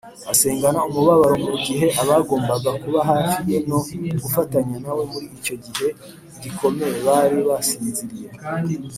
asengana umubabaro mu gihe abagombaga kuba hafi ye no gufatanya nawe muri icyo gihe gikomeye bari basinziriye